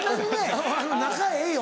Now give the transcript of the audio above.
仲ええよ